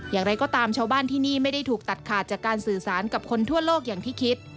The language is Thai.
อย่างไรก็ตามชาวบ้านที่นี่ไม่ได้ถูกตัดขาดจากการสื่อสารกับคนทั่วโลกอย่างที่คิด